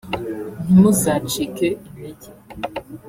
ntimuzacike intege